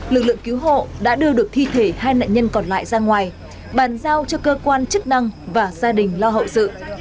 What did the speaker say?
lực lượng cứu hộ đã đưa được thi thể hai nạn nhân còn lại ra ngoài bàn giao cho cơ quan chức năng và gia đình lo hậu sự